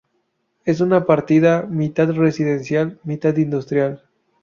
Es una partida mitad residencial, mitad industrial.